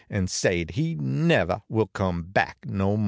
An sade he nevah will come back no mo